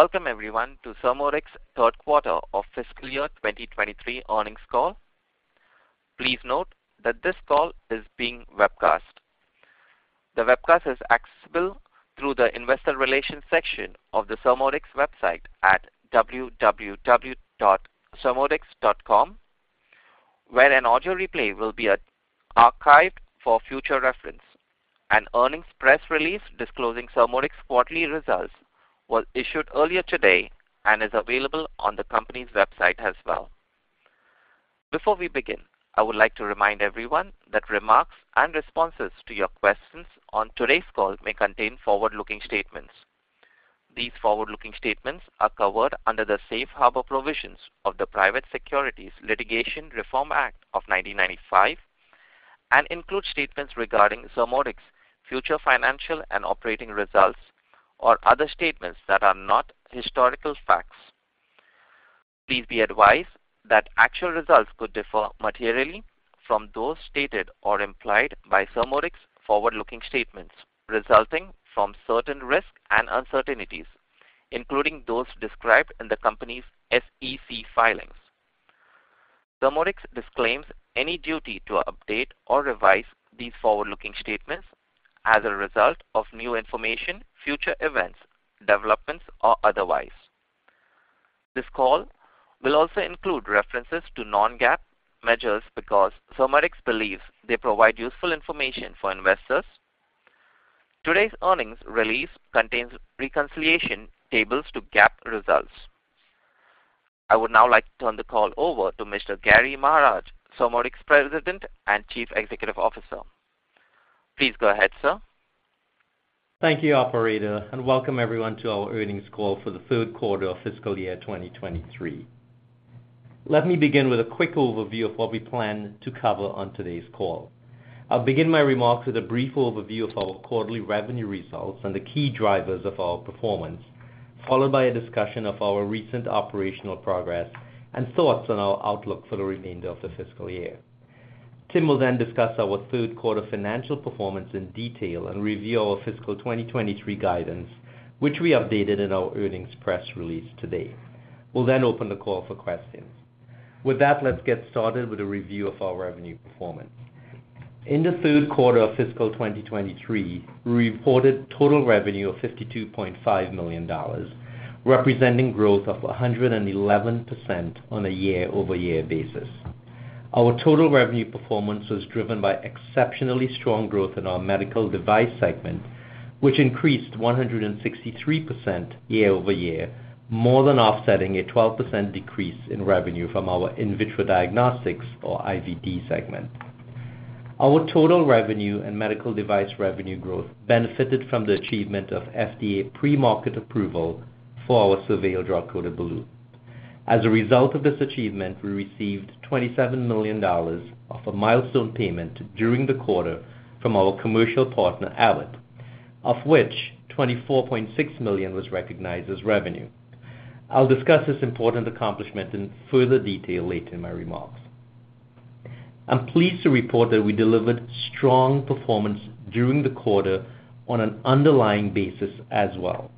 Welcome everyone, to Surmodics third quarter of fiscal year 2023 earnings call. Please note that this call is being webcast. The webcast is accessible through the investor relations section of the Surmodics website at www.surmodics.com, where an audio replay will be archived for future reference. An earnings press release disclosing Surmodics quarterly results was issued earlier today and is available on the company's website as well. Before we begin, I would like to remind everyone that remarks and responses to your questions on today's call may contain forward-looking statements. These forward-looking statements are covered under the safe harbor provisions of the Private Securities Litigation Reform Act of 1995, include statements regarding Surmodics' future financial and operating results, or other statements that are not historical facts. Please be advised that actual results could differ materially from those stated or implied by Surmodics's forward-looking statements, resulting from certain risks and uncertainties, including those described in the company's SEC filings. Surmodics disclaims any duty to update or revise these forward-looking statements as a result of new information, future events, developments, or otherwise. This call will also include references to non-GAAP measures because Surmodics believes they provide useful information for investors. Today's earnings release contains reconciliation tables to GAAP results. I would now like to turn the call over to Mr. Gary Maharaj, Surmodics President and Chief Executive Officer. Please go ahead, sir. Thank you, operator, and welcome everyone to our earnings call for the third quarter of fiscal year 2023. Let me begin with a quick overview of what we plan to cover on today's call. I'll begin my remarks with a brief overview of our quarterly revenue results and the key drivers of our performance, followed by a discussion of our recent operational progress and thoughts on our outlook for the remainder of the fiscal year. Tim will then discuss our third quarter financial performance in detail and review our fiscal 2023 guidance, which we updated in our earnings press release today. We'll then open the call for questions. With that, let's get started with a review of our revenue performance. In the third quarter of fiscal 2023, we reported total revenue of $52.5 million, representing growth of 111% on a year-over-year basis. Our total revenue performance was driven by exceptionally strong growth in our medical device segment, which increased 163% year-over-year, more than offsetting a 12% decrease in revenue from our In Vitro Diagnostics, or IVD segment. Our total revenue and medical device revenue growth benefited from the achievement of FDA pre-market approval for our SurVeil drug-coated balloon. As a result of this achievement, we received $27 million of a milestone payment during the quarter from our commercial partner, Abbott, of which $24.6 million was recognized as revenue. I'll discuss this important accomplishment in further detail later in my remarks. I'm pleased to report that we delivered strong performance during the quarter on an underlying basis as well.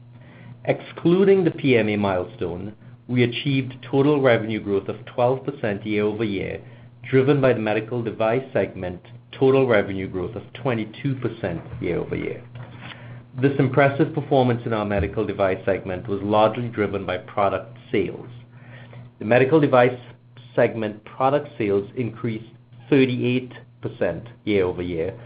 Excluding the PMA milestone, we achieved total revenue growth of 12% year-over-year, driven by the medical device segment, total revenue growth of 22% year-over-year. This impressive performance in our medical device segment was largely driven by product sales. The medical device segment product sales increased 38% year-over-year,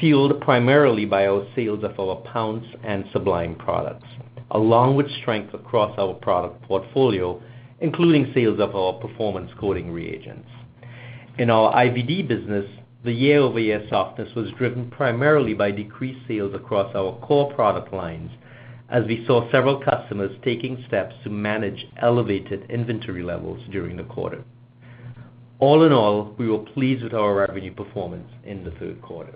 fueled primarily by our sales of our Pounce and Sublime products, along with strength across our product portfolio, including sales of our performance coating reagents. In our IVD business, the year-over-year softness was driven primarily by decreased sales across our core product lines, as we saw several customers taking steps to manage elevated inventory levels during the quarter. All in all, we were pleased with our revenue performance in the third quarter.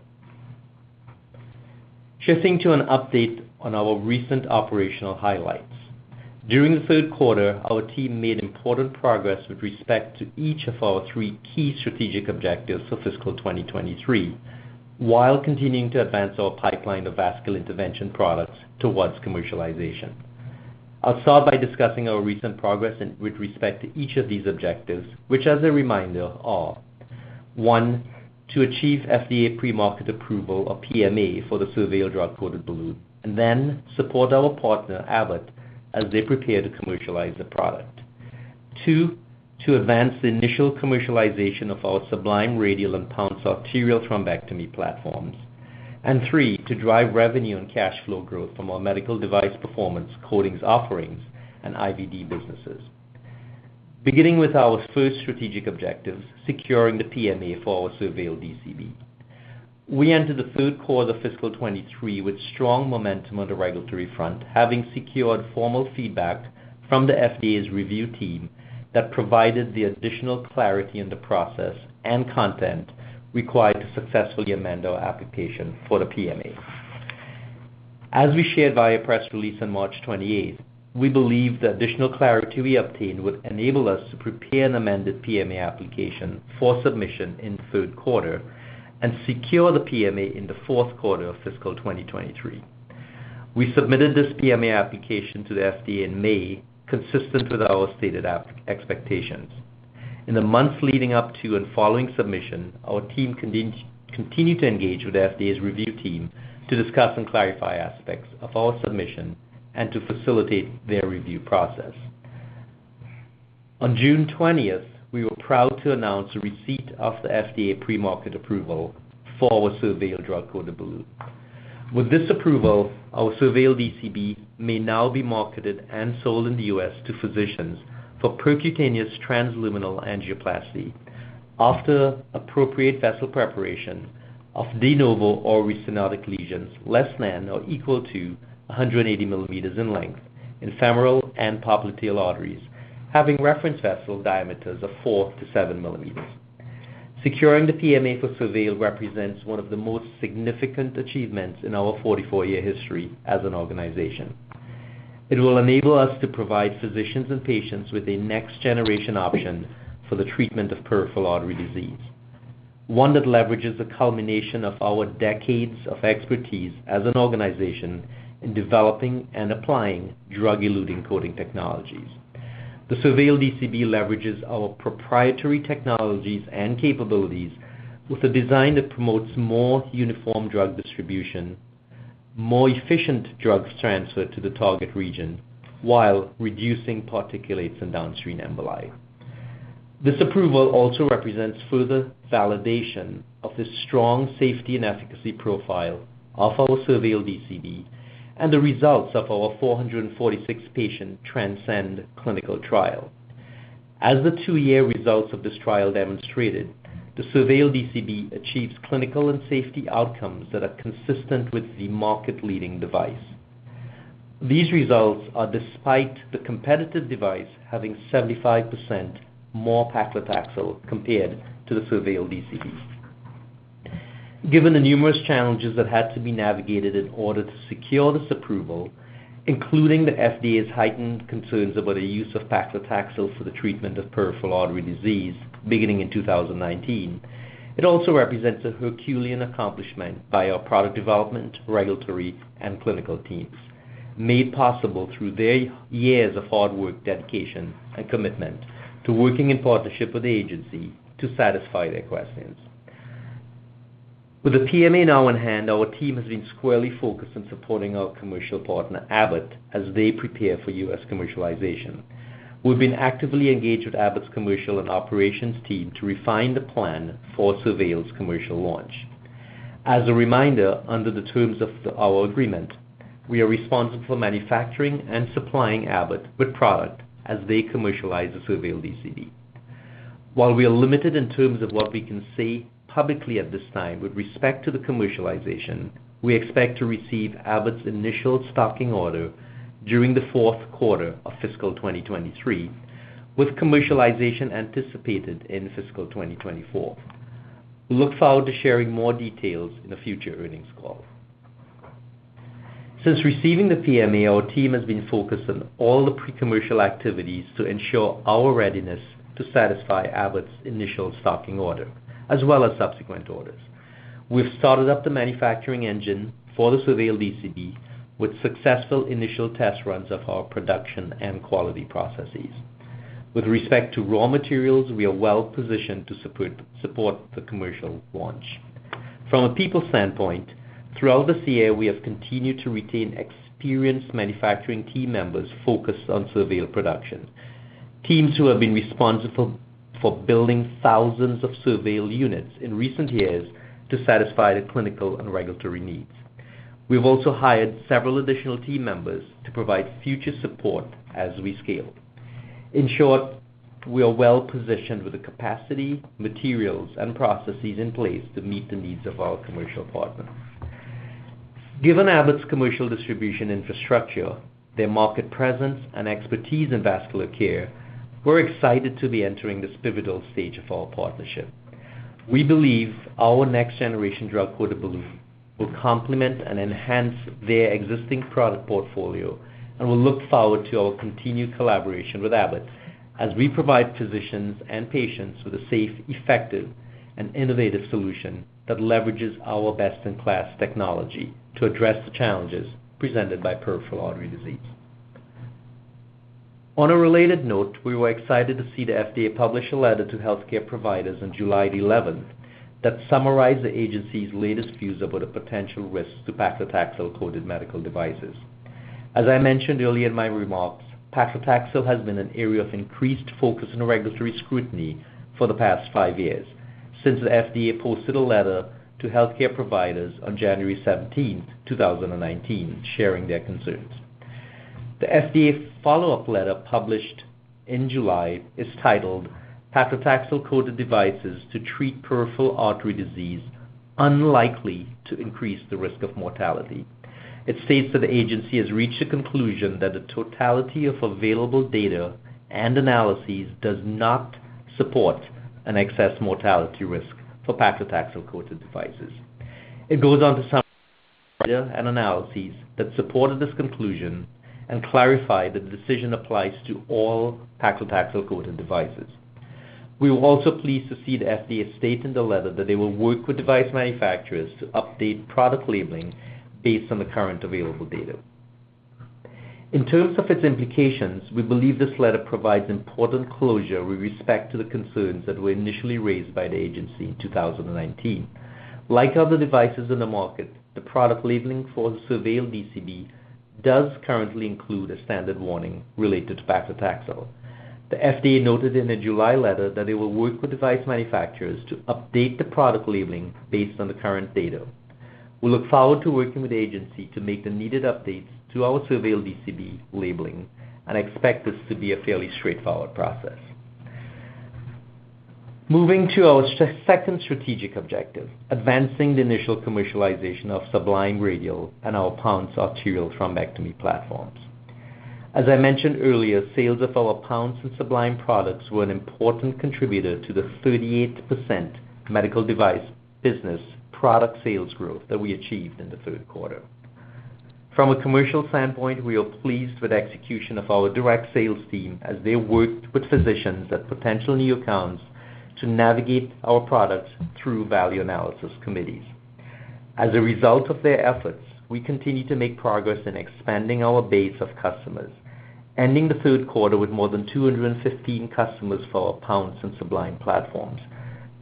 Shifting to an update on our recent operational highlights. During the third quarter, our team made important progress with respect to each of our three key strategic objectives for fiscal 2023, while continuing to advance our pipeline of vascular intervention products towards commercialization. I'll start by discussing our recent progress with respect to each of these objectives, which, as a reminder, are: 1, to achieve FDA pre-market approval of PMA for the SurVeil drug-coated balloon, then support our partner, Abbott, as they prepare to commercialize the product. 2, to advance the initial commercialization of our Sublime Radial and Pounce arterial thrombectomy platforms. 3, to drive revenue and cash flow growth from our medical device performance coating offerings and IVD businesses. Beginning with our first strategic objective, securing the PMA for our SurVeil DCB. We entered the third quarter of fiscal 2023 with strong momentum on the regulatory front, having secured formal feedback from the FDA's review team that provided the additional clarity in the process and content required to successfully amend our application for the PMA. As we shared via press release on March 28th, we believe the additional clarity we obtained would enable us to prepare an amended PMA application for submission in third quarter and secure the PMA in the fourth quarter of fiscal 2023. We submitted this PMA application to the FDA in May, consistent with our stated expectations. In the months leading up to and following submission, our team continued to engage with FDA's review team to discuss and clarify aspects of our submission and to facilitate their review process. On June 20th, we were proud to announce a receipt of the FDA premarket approval for our SurVeil drug-coated balloon. With this approval, our SurVeil DCB may now be marketed and sold in the U.S. to physicians for percutaneous transluminal angioplasty after appropriate vessel preparation of de novo or restenotic lesions less than or equal to 180 mm in length, in femoral and popliteal arteries, having reference vessel diameters of 4-7 mm. Securing the PMA for SurVeil represents one of the most significant achievements in our 44-year history as an organization. It will enable us to provide physicians and patients with a next-generation option for the treatment of peripheral artery disease, one that leverages a culmination of our decades of expertise as an organization in developing and applying drug-eluting coating technologies. The SurVeil DCB leverages our proprietary technologies and capabilities with a design that promotes more uniform drug distribution, more efficient drugs transfer to the target region, while reducing particulates and downstream emboli. This approval also represents further validation of the strong safety and efficacy profile of our SurVeil DCB and the results of our 446 patient TRANSCEND clinical trial. As the two-year results of this trial demonstrated, the SurVeil DCB achieves clinical and safety outcomes that are consistent with the market-leading device. These results are despite the competitive device having 75% more paclitaxel compared to the SurVeil DCB. Given the numerous challenges that had to be navigated in order to secure this approval, including the FDA's heightened concerns about the use of paclitaxel for the treatment of peripheral artery disease beginning in 2019, it also represents a herculean accomplishment by our product development, regulatory, and clinical teams, made possible through their years of hard work, dedication, and commitment to working in partnership with the agency to satisfy their questions. With the PMA now in hand, our team has been squarely focused on supporting our commercial partner, Abbott, as they prepare for U.S. commercialization. We've been actively engaged with Abbott's commercial and operations team to refine the plan for SurVeil's commercial launch. As a reminder, under the terms of our agreement, we are responsible for manufacturing and supplying Abbott with product as they commercialize the SurVeil DCB. While we are limited in terms of what we can say publicly at this time with respect to the commercialization, we expect to receive Abbott's initial stocking order during the fourth quarter of fiscal 2023, with commercialization anticipated in fiscal 2024. We look forward to sharing more details in a future earnings call. Since receiving the PMA, our team has been focused on all the pre-commercial activities to ensure our readiness to satisfy Abbott's initial stocking order, as well as subsequent orders. We've started up the manufacturing engine for the SurVeil DCB with successful initial test runs of our production and quality processes. With respect to raw materials, we are well positioned to support the commercial launch. From a people standpoint, throughout this year, we have continued to retain experienced manufacturing team members focused on SurVeil production, teams who have been responsible for building thousands of SurVeil units in recent years to satisfy the clinical and regulatory needs. We've also hired several additional team members to provide future support as we scale. In short, we are well positioned with the capacity, materials, and processes in place to meet the needs of our commercial partners. Given Abbott's commercial distribution infrastructure, their market presence, and expertise in vascular care, we're excited to be entering this pivotal stage of our partnership. We believe our next-generation drug-coated balloon will complement and enhance their existing product portfolio. We look forward to our continued collaboration with Abbott as we provide physicians and patients with a safe, effective, and innovative solution that leverages our best-in-class technology to address the challenges presented by peripheral artery disease. On a related note, we were excited to see the FDA publish a letter to healthcare providers on July 11th, that summarized the agency's latest views about the potential risks to paclitaxel-coated medical devices. As I mentioned earlier in my remarks, paclitaxel has been an area of increased focus and regulatory scrutiny for the past five years, since the FDA posted a letter to healthcare providers on January 17th, 2019, sharing their concerns. The FDA follow-up letter, published in July, is titled "Paclitaxel-Coated Devices to Treat Peripheral Artery Disease Unlikely to Increase the Risk of Mortality." It states that the agency has reached a conclusion that the totality of available data and analyses does not support an excess mortality risk for paclitaxel-coated devices. It goes on to summarize data and analyses that supported this conclusion and clarified that the decision applies to all paclitaxel-coated devices. We were also pleased to see the FDA state in the letter that they will work with device manufacturers to update product labeling based on the current available data. In terms of its implications, we believe this letter provides important closure with respect to the concerns that were initially raised by the agency in 2019. Like other devices in the market, the product labeling for the SurVeil DCB does currently include a standard warning related to paclitaxel. The FDA noted in a July letter that it will work with device manufacturers to update the product labeling based on the current data. We look forward to working with the agency to make the needed updates to our SurVeil DCB labeling, and expect this to be a fairly straightforward process. Moving to our second strategic objective, advancing the initial commercialization of Sublime Radial and our Pounce arterial thrombectomy platforms. As I mentioned earlier, sales of our Pounce and Sublime products were an important contributor to the 38% medical device business product sales growth that we achieved in the third quarter. From a commercial standpoint, we are pleased with the execution of our direct sales team as they worked with physicians at potential new accounts to navigate our products through value analysis committees. As a result of their efforts, we continue to make progress in expanding our base of customers, ending the third quarter with more than 215 customers for our Pounce and Sublime platforms,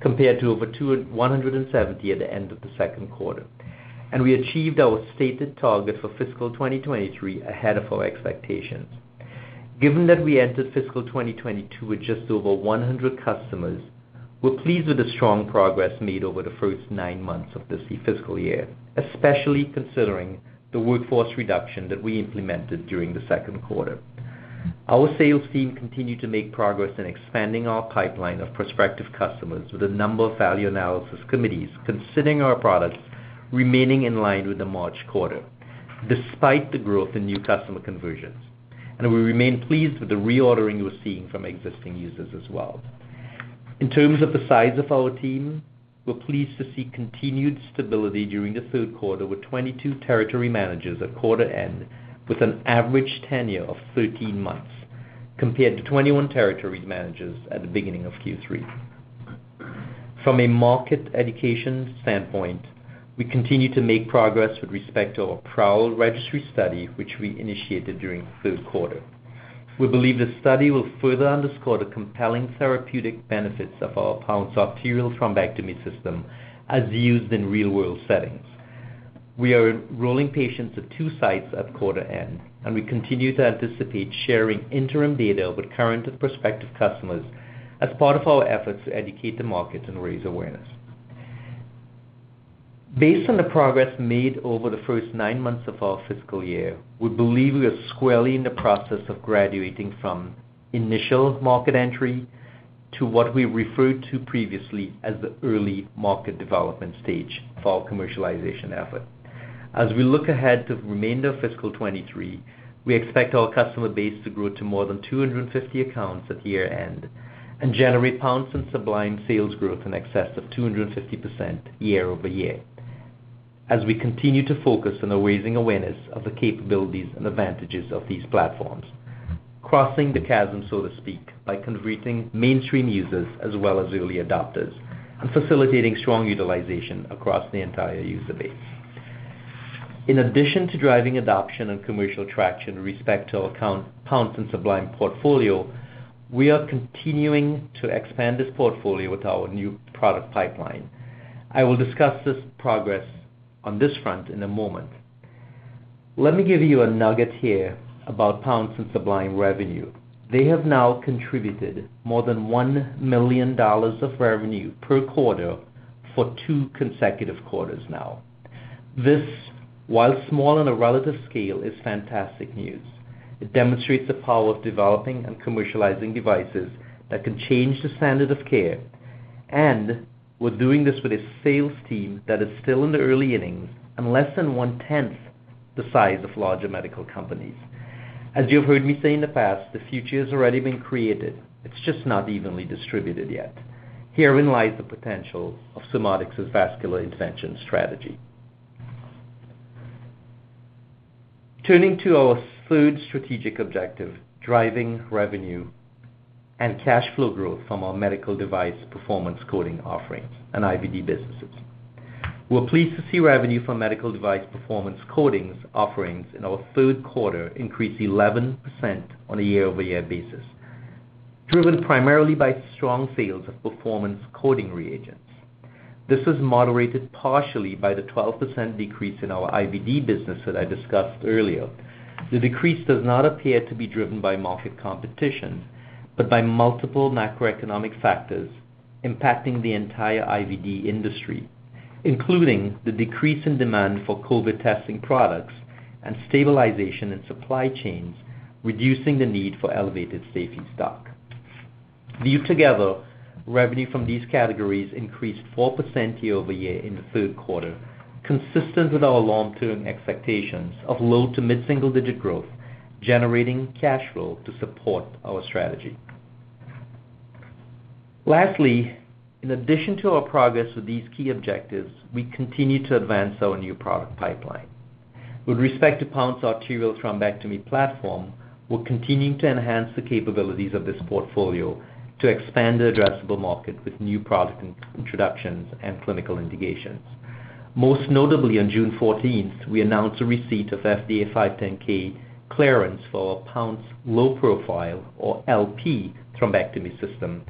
compared to over 170 at the end of the second quarter. We achieved our stated target for fiscal 2023 ahead of our expectations. Given that we entered fiscal 2022 with just over 100 customers, we're pleased with the strong progress made over the first nine months of this fiscal year, especially considering the workforce reduction that we implemented during the second quarter. Our sales team continued to make progress in expanding our pipeline of prospective customers, with a number of value analysis committees considering our products remaining in line with the March quarter, despite the growth in new customer conversions. We remain pleased with the reordering we're seeing from existing users as well. In terms of the size of our team, we're pleased to see continued stability during the third quarter, with 22 territory managers at quarter end, with an average tenure of 13 months, compared to 21 territory managers at the beginning of Q3. From a market education standpoint, we continue to make progress with respect to our PROWL registry study, which we initiated during the third quarter. We believe the study will further underscore the compelling therapeutic benefits of our Pounce arterial Thrombectomy System as used in real-world settings. We are enrolling patients at two sites at quarter end, and we continue to anticipate sharing interim data with current and prospective customers as part of our efforts to educate the market and raise awareness. Based on the progress made over the first nine months of our fiscal year, we believe we are squarely in the process of graduating from initial market entry to what we referred to previously as the early market development stage of our commercialization effort. As we look ahead to the remainder of fiscal 2023, we expect our customer base to grow to more than 250 accounts at year-end, and generate Pounce and Sublime sales growth in excess of 250% year-over-year, as we continue to focus on raising awareness of the capabilities and advantages of these platforms. Crossing the chasm, so to speak, by converting mainstream users as well as early adopters, and facilitating strong utilization across the entire user base. In addition to driving adoption and commercial traction with respect to our Pounce and Sublime portfolio, we are continuing to expand this portfolio with our new product pipeline. I will discuss this progress on this front in a moment. Let me give you a nugget here about Pounce and Sublime revenue. They have now contributed more than $1 million of revenue per quarter for two consecutive quarters now. This, while small on a relative scale, is fantastic news. It demonstrates the power of developing and commercializing devices that can change the standard of care, and we're doing this with a sales team that is still in the early innings and less than one-tenth the size of larger medical companies. As you have heard me say in the past, the future has already been created, it's just not evenly distributed yet. Herein lies the potential of Surmodics' vascular intervention strategy. Turning to our third strategic objective, driving revenue and cash flow growth from our medical device performance coating offerings and IVD businesses. We're pleased to see revenue from medical device performance coating offerings in our third quarter increase 11% on a year-over-year basis, driven primarily by strong sales of performance coating reagents. This is moderated partially by the 12% decrease in our IVD business that I discussed earlier. The decrease does not appear to be driven by market competition, but by multiple macroeconomic factors impacting the entire IVD industry, including the decrease in demand for COVID testing products and stabilization in supply chains, reducing the need for elevated safety stock. Viewed together, revenue from these categories increased 4% year over year in the third quarter, consistent with our long-term expectations of low to mid-single digit growth, generating cash flow to support our strategy. Lastly, in addition to our progress with these key objectives, we continue to advance our new product pipeline. With respect to Pounce Arterial Thrombectomy Platform, we're continuing to enhance the capabilities of this portfolio to expand the addressable market with new product introductions and clinical indications. Most notably, on June 14th, we announced a receipt of FDA 510(k) clearance for our Pounce LP Thrombectomy System,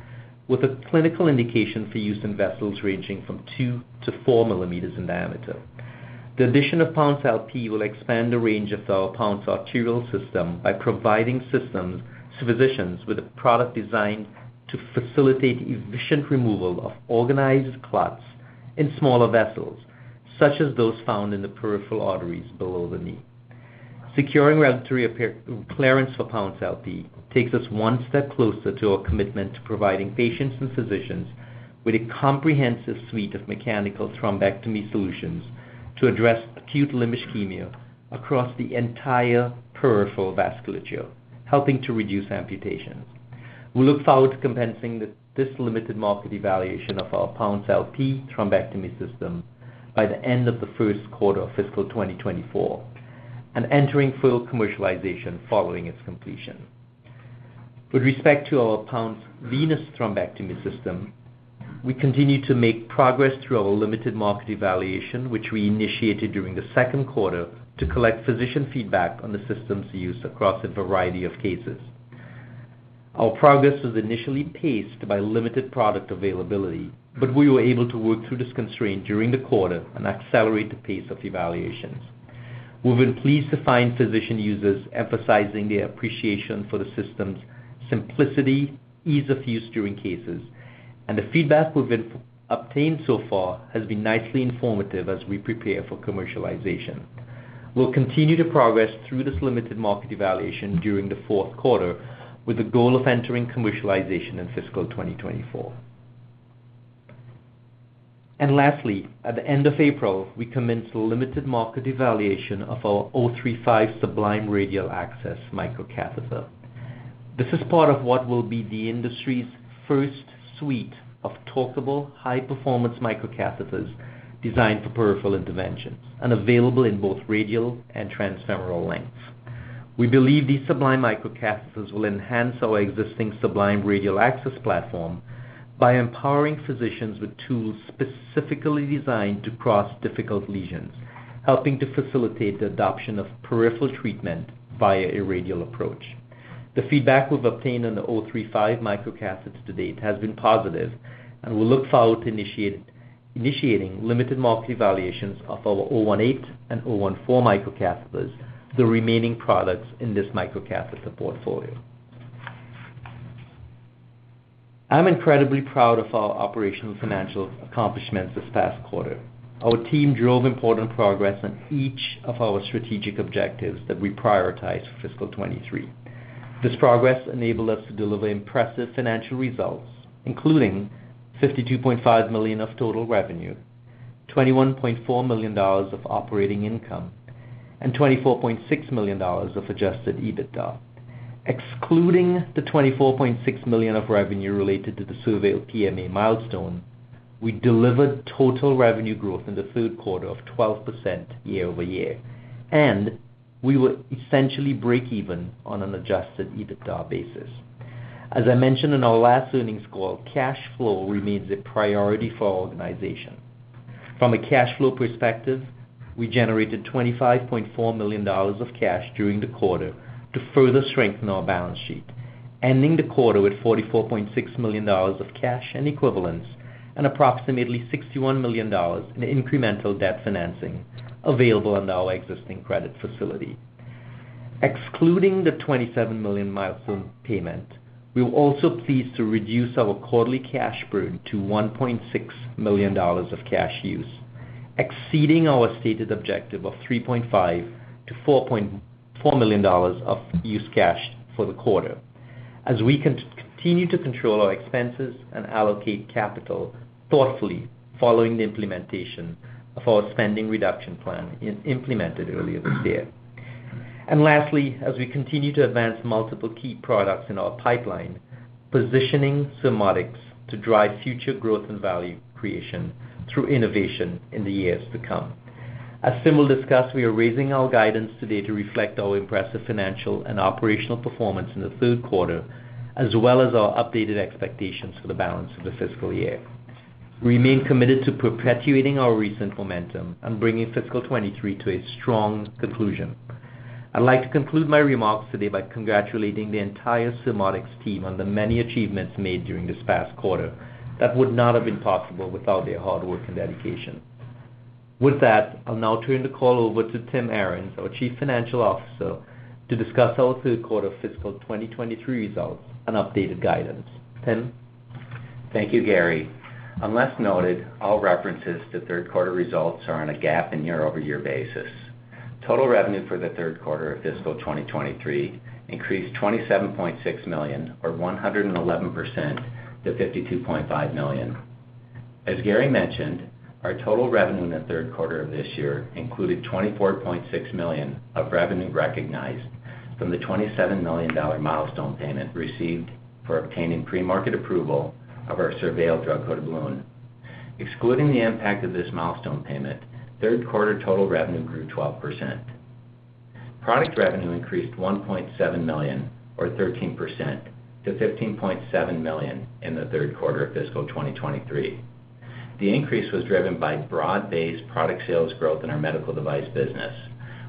with a clinical indication for use in vessels ranging from 2-4 mm in diameter. The addition of Pounce LP will expand the range of our Pounce arterial system by providing systems to physicians with a product designed to facilitate efficient removal of organized clots in smaller vessels, such as those found in the peripheral arteries below the knee. Securing regulatory clearance for Pounce LP takes us one step closer to our commitment to providing patients and physicians with a comprehensive suite of mechanical thrombectomy solutions to address acute limb ischemia across the entire peripheral vasculature, helping to reduce amputations. We look forward to commencing this limited market evaluation of our Pounce LP Thrombectomy System by the end of the first quarter of fiscal 2024, and entering full commercialization following its completion. With respect to our Pounce venous thrombectomy system, we continue to make progress through our limited market evaluation, which we initiated during the second quarter, to collect physician feedback on the system's use across a variety of cases. Our progress was initially paced by limited product availability, but we were able to work through this constraint during the quarter and accelerate the pace of evaluations. We've been pleased to find physician users emphasizing their appreciation for the system's simplicity, ease of use during cases, and the feedback we've been obtained so far has been nicely informative as we prepare for commercialization. We'll continue to progress through this limited market evaluation during the 4th quarter, with the goal of entering commercialization in fiscal 2024. Lastly, at the end of April, we commenced a limited market evaluation of our .035" Sublime Radial Access Microcatheter. This is part of what will be the industry's first suite of torqueable, high-performance microcatheters designed for peripheral interventions and available in both radial and transfemoral lengths. We believe these Sublime microcatheters will enhance our existing Sublime Radial Access Platform by empowering physicians with tools specifically designed to cross difficult lesions, helping to facilitate the adoption of peripheral treatment via a radial approach. The feedback we've obtained on the .035 microcatheters to date has been positive, and we look forward to initiating limited market evaluations of our .018 and .014 microcatheters, the remaining products in this microcatheter portfolio. I'm incredibly proud of our operational and financial accomplishments this past quarter. Our team drove important progress on each of our strategic objectives that we prioritized for fiscal 2023. This progress enabled us to deliver impressive financial results, including $52.5 million of total revenue, $21.4 million of operating income, and $24.6 million of adjusted EBITDA. Excluding the $24.6 million of revenue related to the SurVeil PMA milestone, we delivered total revenue growth in the third quarter of 12% year-over-year, and we were essentially break even on an adjusted EBITDA basis. As I mentioned in our last earnings call, cash flow remains a priority for our organization. From a cash flow perspective, we generated $25.4 million of cash during the quarter to further strengthen our balance sheet, ending the quarter with $44.6 million of cash and equivalents, and approximately $61 million in incremental debt financing available under our existing credit facility. Excluding the $27 million milestone payment, we were also pleased to reduce our quarterly cash burn to $1.6 million of cash use, exceeding our stated objective of $3.5 million-$4.4 million of used cash for the quarter. As we continue to control our expenses and allocate capital thoughtfully following the implementation of our spending reduction plan implemented earlier this year. Lastly, as we continue to advance multiple key products in our pipeline, positioning Surmodics to drive future growth and value creation through innovation in the years to come. As Jim will discuss, we are raising our guidance today to reflect our impressive financial and operational performance in the third quarter, as well as our updated expectations for the balance of the fiscal year. We remain committed to perpetuating our recent momentum and bringing fiscal 2023 to a strong conclusion. I'd like to conclude my remarks today by congratulating the entire Surmodics team on the many achievements made during this past quarter, that would not have been possible without their hard work and dedication. With that, I'll now turn the call over to Tim Arens, our Chief Financial Officer, to discuss our third quarter of fiscal 2023 results and updated guidance. Tim? Thank you, Gary. Unless noted, all references to third quarter results are on a GAAP and year-over-year basis. Total revenue for the third quarter of fiscal 2023 increased $27.6 million, or 111% to $52.5 million. As Gary mentioned, our total revenue in the third quarter of this year included $24.6 million of revenue recognized from the $27 million milestone payment received for obtaining pre-market approval of our SurVeil drug-coated balloon. Excluding the impact of this milestone payment, third quarter total revenue grew 12%. Product revenue increased $1.7 million, or 13%, to $15.7 million in the third quarter of fiscal 2023. The increase was driven by broad-based product sales growth in our medical device business,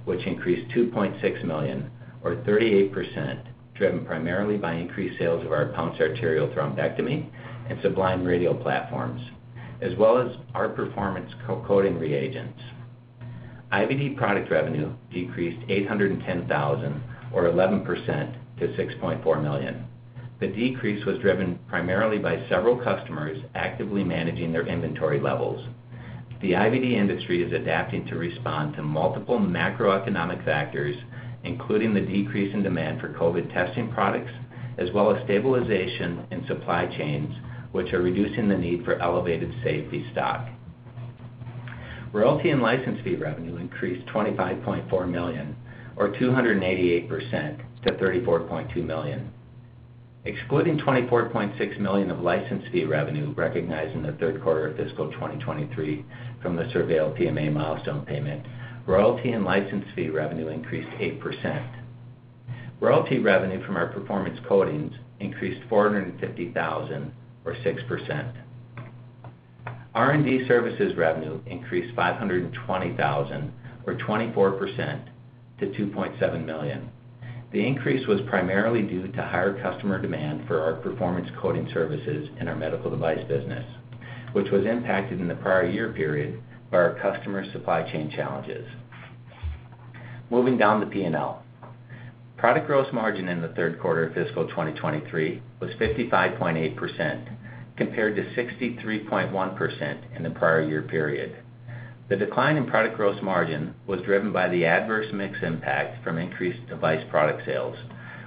which increased $2.6 million, or 38%, driven primarily by increased sales of our Pounce arterial thrombectomy and Sublime radial platforms, as well as our performance coating reagents. IVD product revenue decreased $810,000, or 11%, to $6.4 million. The decrease was driven primarily by several customers actively managing their inventory levels. The IVD industry is adapting to respond to multiple macroeconomic factors, including the decrease in demand for COVID testing products, as well as stabilization in supply chains, which are reducing the need for elevated safety stock. Royalty and license fee revenue increased $25.4 million, or 288% to $34.2 million. Excluding $24.6 million of license fee revenue recognized in the third quarter of fiscal 2023 from the SurVeil PMA milestone payment, royalty and license fee revenue increased 8%. Royalty revenue from our performance coatings increased $450,000 or 6%. R&D services revenue increased $520,000, or 24% to $2.7 million. The increase was primarily due to higher customer demand for our performance coating services in our medical device business, which was impacted in the prior year period by our customer supply chain challenges. Moving down the P&L. Product gross margin in the third quarter of fiscal 2023 was 55.8%, compared to 63.1% in the prior year period. The decline in product gross margin was driven by the adverse mix impact from increased device product sales,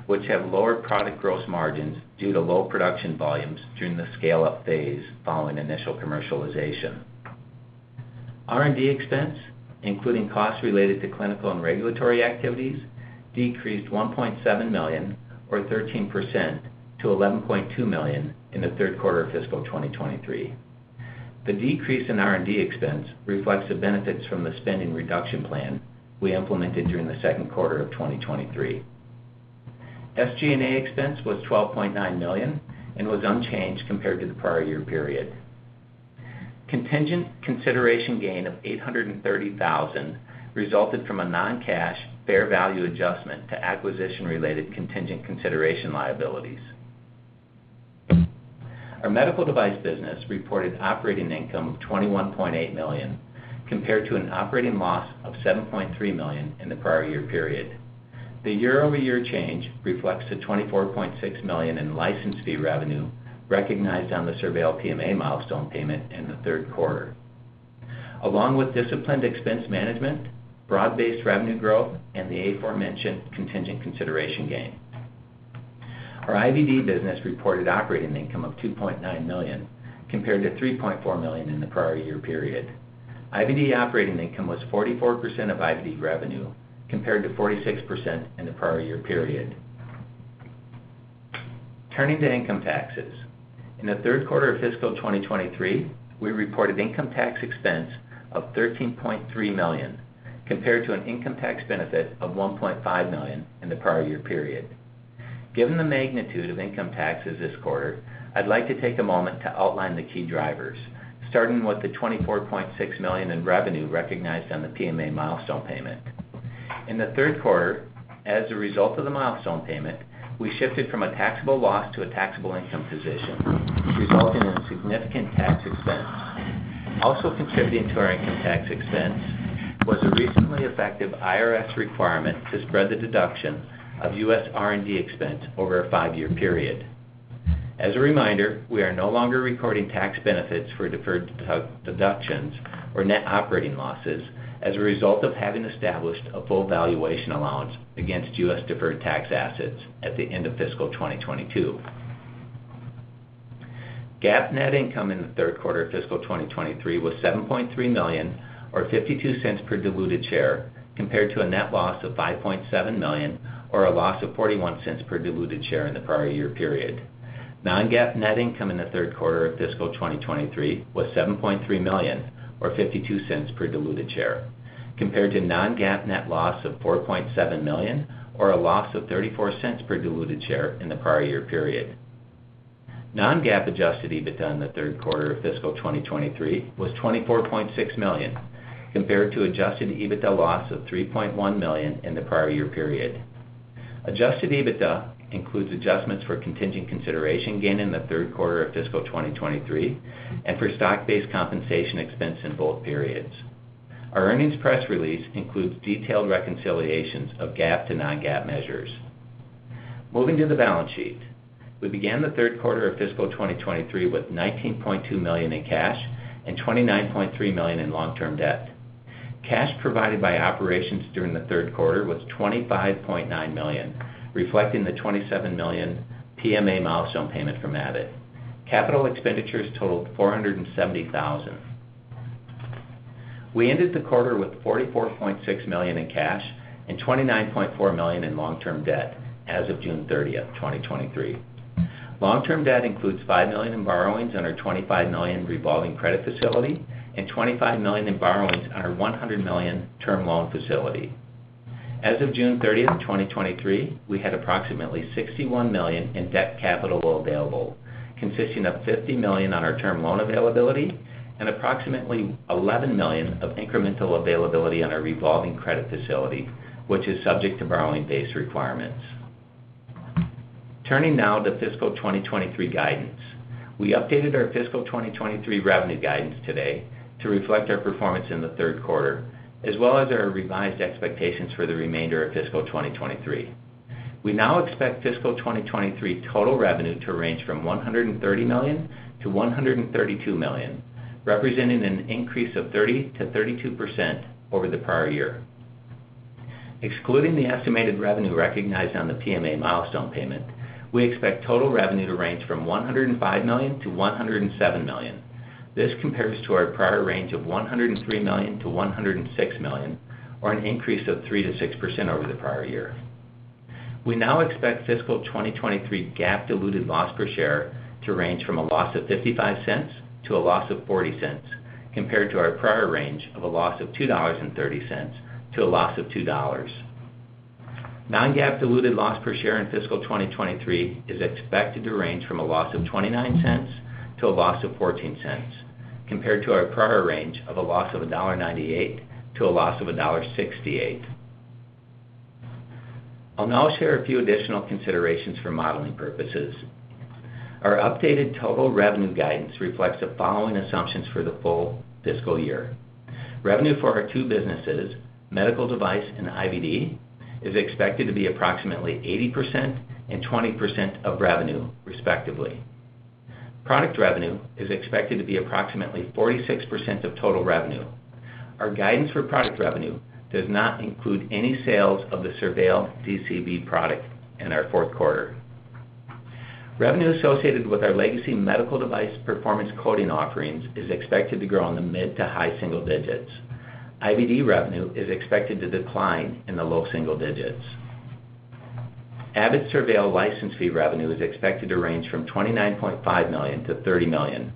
which have lower product gross margins due to low production volumes during the scale-up phase following initial commercialization. R&D expense, including costs related to clinical and regulatory activities, decreased $1.7 million, or 13%, to $11.2 million in the third quarter of fiscal 2023. The decrease in R&D expense reflects the benefits from the spending reduction plan we implemented during the second quarter of 2023. SG&A expense was $12.9 million and was unchanged compared to the prior year period. Contingent consideration gain of $830,000 resulted from a non-cash fair value adjustment to acquisition-related contingent consideration liabilities. Our medical device business reported operating income of $21.8 million, compared to an operating loss of $7.3 million in the prior year period. The year-over-year change reflects the $24.6 million in license fee revenue recognized on the SurVeil PMA milestone payment in the third quarter, along with disciplined expense management, broad-based revenue growth, and the aforementioned contingent consideration gain. Our IVD business reported operating income of $2.9 million, compared to $3.4 million in the prior year period. IVD operating income was 44% of IVD revenue, compared to 46% in the prior year period. Turning to income taxes. In the third quarter of fiscal 2023, we reported income tax expense of $13.3 million, compared to an income tax benefit of $1.5 million in the prior year period. Given the magnitude of income taxes this quarter, I'd like to take a moment to outline the key drivers, starting with the $24.6 million in revenue recognized on the PMA milestone payment. In the third quarter, as a result of the milestone payment, we shifted from a taxable loss to a taxable income position, resulting in significant tax expense. Contributing to our income tax expense was a recently effective IRS requirement to spread the deduction of U.S. R&D expense over a five-year period. As a reminder, we are no longer recording tax benefits for deferred de-deductions or net operating losses as a result of having established a full valuation allowance against U.S. deferred tax assets at the end of fiscal 2022. GAAP net income in the third quarter of fiscal 2023 was $7.3 million, or $0.52 per diluted share, compared to a net loss of $5.7 million, or a loss of $0.41 per diluted share in the prior year period. Non-GAAP net income in the third quarter of fiscal 2023 was $7.3 million, or $0.52 per diluted share, compared to non-GAAP net loss of $4.7 million, or a loss of $0.34 per diluted share in the prior year period. Non-GAAP adjusted EBITDA in the third quarter of fiscal 2023 was $24.6 million, compared to adjusted EBITDA loss of $3.1 million in the prior year period. Adjusted EBITDA includes adjustments for contingent consideration gain in the third quarter of fiscal 2023 and for stock-based compensation expense in both periods. Our earnings press release includes detailed reconciliations of GAAP to non-GAAP measures. Moving to the balance sheet. We began the third quarter of fiscal 2023 with $19.2 million in cash and $29.3 million in long-term debt. Cash provided by operations during the third quarter was $25.9 million, reflecting the $27 million PMA milestone payment from Abbott. Capital expenditures totaled $470,000. We ended the quarter with $44.6 million in cash and $29.4 million in long-term debt as of June 30th, 2023. Long-term debt includes $5 million in borrowings on our $25 million revolving credit facility and $25 million in borrowings on our $100 million term loan facility. As of June 30th, 2023, we had approximately $61 million in debt capital available, consisting of $50 million on our term loan availability and approximately $11 million of incremental availability on our revolving credit facility, which is subject to borrowing base requirements. Turning now to fiscal 2023 guidance. We updated our fiscal 2023 revenue guidance today to reflect our performance in the third quarter, as well as our revised expectations for the remainder of fiscal 2023. We now expect fiscal 2023 total revenue to range from $130 million-$132 million, representing an increase of 30%-32% over the prior year. Excluding the estimated revenue recognized on the PMA milestone payment, we expect total revenue to range from $105 million-$107 million. This compares to our prior range of $103 million-$106 million, or an increase of 3%-6% over the prior year. We now expect fiscal 2023 GAAP diluted loss per share to range from a loss of $0.55 to a loss of $0.40, compared to our prior range of a loss of $2.30 to a loss of $2.00. Non-GAAP diluted loss per share in fiscal 2023 is expected to range from a loss of $0.29 to a loss of $0.14, compared to our prior range of a loss of $1.98 to a loss of $1.68. I'll now share a few additional considerations for modeling purposes. Our updated total revenue guidance reflects the following assumptions for the full fiscal year. Revenue for our two businesses, medical device and IVD, is expected to be approximately 80% and 20% of revenue, respectively. Product revenue is expected to be approximately 46% of total revenue. Our guidance for product revenue does not include any sales of the SurVeil DCB product in our fourth quarter. Revenue associated with our legacy medical device performance coating offerings is expected to grow in the mid to high single digits. IVD revenue is expected to decline in the low single digits. Abbott's SurVeil license fee revenue is expected to range from $29.5 million-$30 million,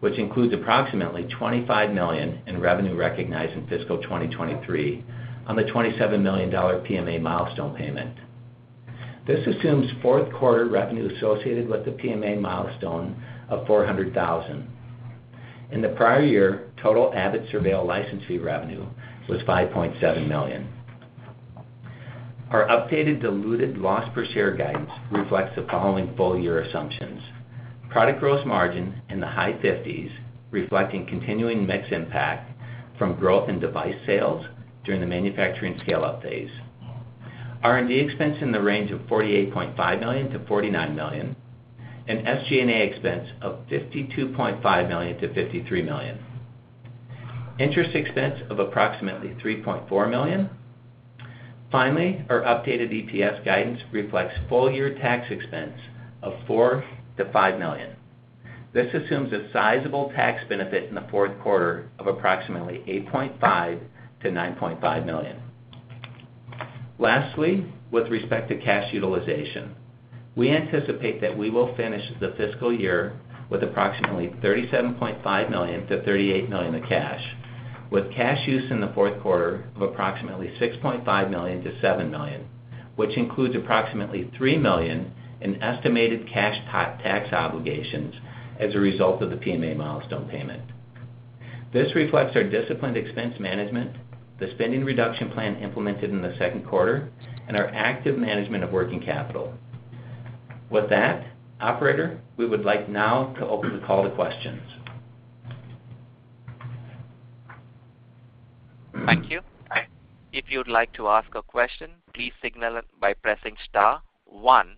which includes approximately $25 million in revenue recognized in fiscal 2023 on the $27 million PMA milestone payment. This assumes fourth quarter revenue associated with the PMA milestone of $400,000. In the prior year, total Abbott SurVeil license fee revenue was $5.7 million. Our updated diluted loss per share guidance reflects the following full year assumptions: Product gross margin in the high 50s, reflecting continuing mix impact from growth in device sales during the manufacturing scale-out phase. R&D expense in the range of $48.5 million-$49 million, and SG&A expense of $52.5 million-$53 million. Interest expense of approximately $3.4 million. Finally, our updated EPS guidance reflects full-year tax expense of $4 million-$5 million. This assumes a sizable tax benefit in the fourth quarter of approximately $8.5 million-$9.5 million. Lastly, with respect to cash utilization, we anticipate that we will finish the fiscal year with approximately $37.5 million-$38 million in cash, with cash use in the fourth quarter of approximately $6.5 million-$7 million, which includes approximately $3 million in estimated cash tax obligations as a result of the PMA milestone payment. This reflects our disciplined expense management, the spending reduction plan implemented in the second quarter, and our active management of working capital. With that, operator, we would like now to open the call to questions. Thank you. If you'd like to ask a question, please signal it by pressing star one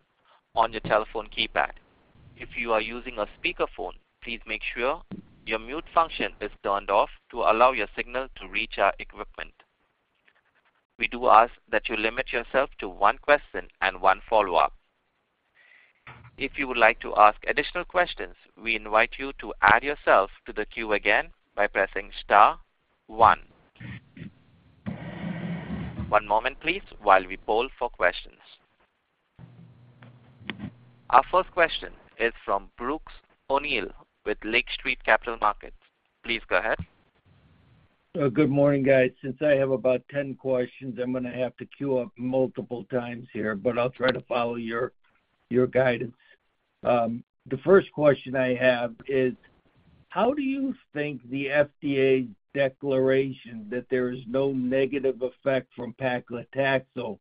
on your telephone keypad. If you are using a speakerphone, please make sure your mute function is turned off to allow your signal to reach our equipment. We do ask that you limit yourself to one question and one follow-up. If you would like to ask additional questions, we invite you to add yourself to the queue again by pressing star one. One moment, please, while we poll for questions. Our first question is from Brooks O'Neil with Lake Street Capital Markets. Please go ahead. Good morning, guys. Since I have about 10 questions, I'm gonna have to queue up multiple times here, but I'll try to follow your, your guidance. The first question I have is: how do you think the FDA's declaration that there is no negative effect from paclitaxel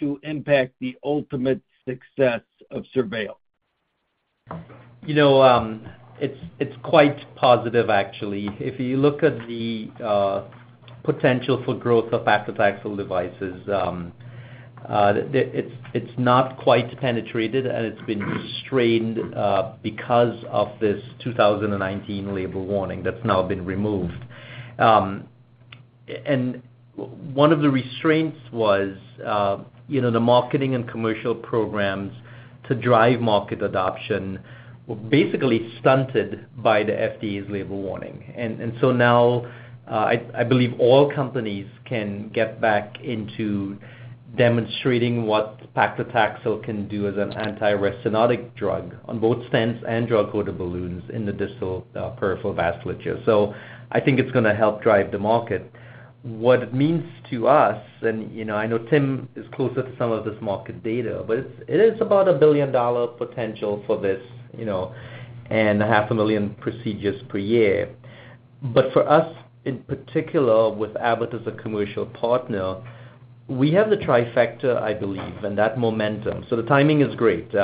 to impact the ultimate success of SurVeil? You know, it's, it's quite positive, actually. If you look at the potential for growth of paclitaxel devices, it's, it's not quite penetrated, and it's been restrained because of this 2019 label warning that's now been removed. One of the restraints was, you know, the marketing and commercial programs to drive market adoption were basically stunted by the FDA's label warning. I believe all companies can get back into demonstrating what paclitaxel can do as an anti-restenotic drug on both stents and drug-coated balloons in the distal peripheral vasculature. I think it's gonna help drive the market. What it means to us, you know, I know Tim is closer to some of this market data, it's, it is about a billion-dollar potential for this, you know, and half a million procedures per year. For us, in particular, with Abbott as a commercial partner, we have the trifecta, I believe, and that momentum. The timing is great.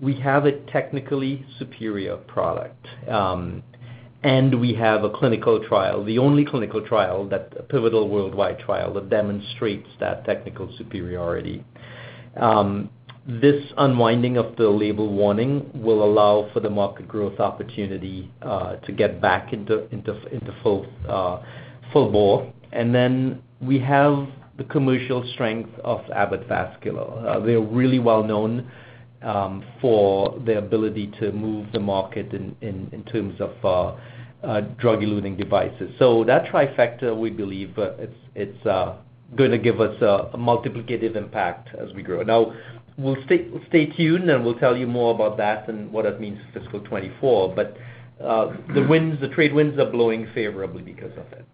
We have a technically superior product, and we have a clinical trial, the only clinical trial, that pivotal worldwide trial that demonstrates that technical superiority. This unwinding of the label warning will allow for the market growth opportunity to get back into, into, into full, full bore. Then we have the commercial strength of Abbott Vascular. They're really well known for their ability to move the market in, in, in terms of drug-eluting devices. That trifecta, we believe, it's, it's, gonna give us a multiplicative impact as we grow. Now, we'll stay tuned, and we'll tell you more about that and what it means for fiscal 2024. The winds, the trade winds are blowing favorably because of it.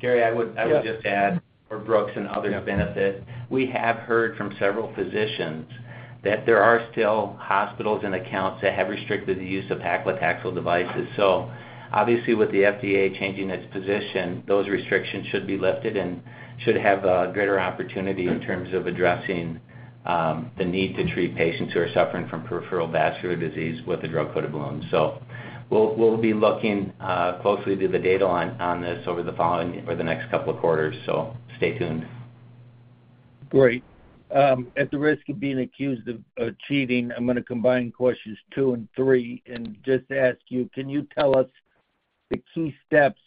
Gary... Yeah. I would just add, for Brooks and others benefit, we have heard from several physicians that there are still hospitals and accounts that have restricted the use of paclitaxel devices. Obviously, with the FDA changing its position, those restrictions should be lifted and should have a greater opportunity in terms of addressing the need to treat patients who are suffering from peripheral vascular disease with a drug-coated balloon. We'll, we'll be looking closely to the data on this over the following or the next couple of quarters, stay tuned. Great. At the risk of being accused of, of cheating, I'm gonna combine questions two and three and just ask you: Can you tell us the key steps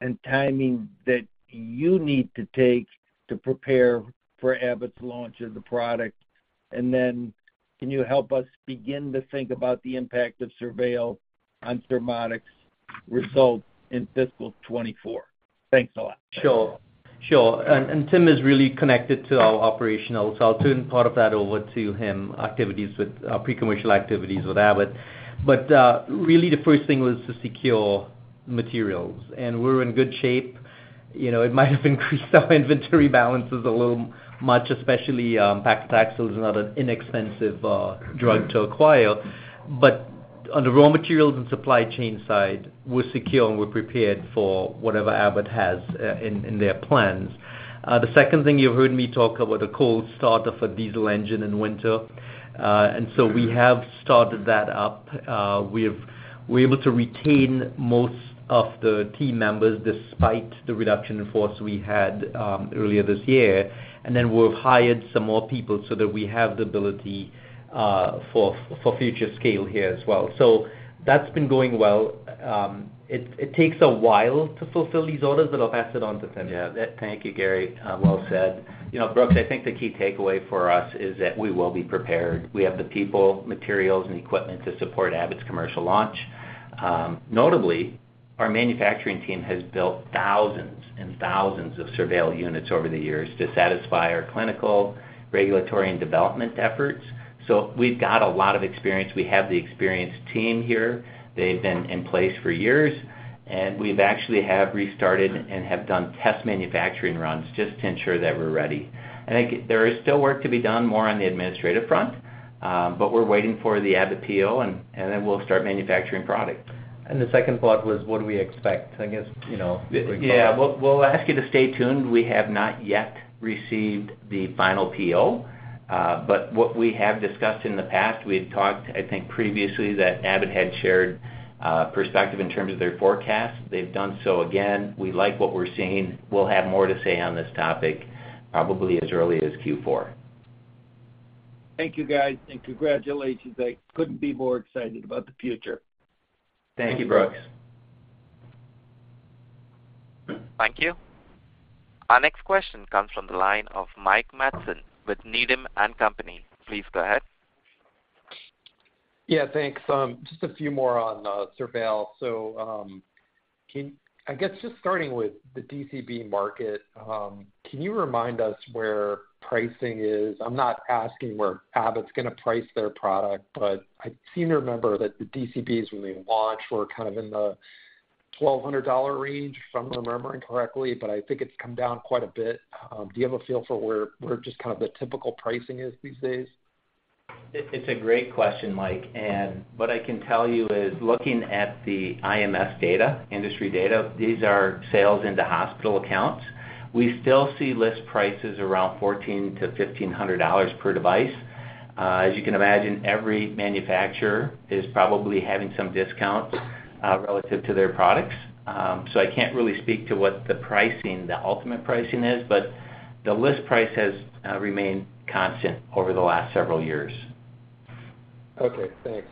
and timing that you need to take to prepare for Abbott's launch of the product? Can you help us begin to think about the impact of SurVeil on Surmodics' results in fiscal 2024? Thanks a lot. Sure. Sure, Tim is really connected to our operational, so I'll turn part of that over to him, activities with pre-commercial activities with Abbott. Really, the first thing was to secure materials, and we're in good shape. You know, it might have increased our inventory balances a little much, especially, paclitaxel is not an inexpensive drug to acquire. On the raw materials and supply chain side, we're secure, and we're prepared for whatever Abbott has in their plans. The second thing you've heard me talk about a cold start of a diesel engine in winter. We have started that up. We're able to retain most of the team members despite the reduction in force we had earlier this year. We've hired some more people so that we have the ability for future scale here as well. That's been going well. It takes a while to fulfill these orders, but I'll pass it on to Tim. Yeah. Thank you, Gary. Well said. You know, Brooks, I think the key takeaway for us is that we will be prepared. We have the people, materials, and equipment to support Abbott's commercial launch. Notably, our manufacturing team has built thousands and thousands of SurVeil units over the years to satisfy our clinical, regulatory, and development efforts. We've got a lot of experience. We have the experienced team here. They've been in place for years, and we've actually have restarted and have done test manufacturing runs just to ensure that we're ready. I think there is still work to be done more on the administrative front, we're waiting for the Abbott PO, and, and then we'll start manufacturing product. The second part was, what do we expect? I guess, you know. Yeah. We'll, we'll ask you to stay tuned. We have not yet received the final PO, but what we have discussed in the past, we had talked, I think, previously, that Abbott had shared perspective in terms of their forecast. They've done so again. We like what we're seeing. We'll have more to say on this topic, probably as early as Q4. Thank you, guys, and congratulations. I couldn't be more excited about the future. Thank you, Brooks. Thank you, Brooks. Thank you. Our next question comes from the line of Michael Matson with Needham & Company. Please go ahead. Yeah, thanks. Just a few more on SurVeil. I guess just starting with the DCB market, can you remind us where pricing is? I'm not asking where Abbott's gonna price their product, but I seem to remember that the DCBs, when they launched, were kind of in the $1,200 range, if I'm remembering correctly, but I think it's come down quite a bit. Do you have a feel for where, where just kind of the typical pricing is these days? It's a great question, Mike, What I can tell you is, looking at the IMS data, industry data, these are sales into hospital accounts. We still see list prices around $1,400-$1,500 per device. As you can imagine, every manufacturer is probably having some discounts relative to their products. I can't really speak to what the pricing, the ultimate pricing is, but the list price has remained constant over the last several years. Okay, thanks.